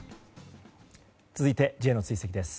続いて、Ｊの追跡です。